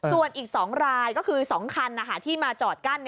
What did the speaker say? ส่วนอีก๒รายก็คือ๒คันที่มาจอดกั้น